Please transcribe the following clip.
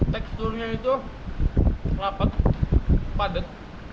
teksturnya itu rapat padat